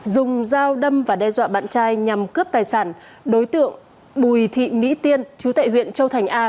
dùng dao đâm và đe dọa bạn trai nhằm cướp tài sản đối tượng bùi thị mỹ tiên chú tại huyện châu thành a